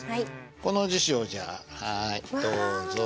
この辞書をじゃあはいどうぞ。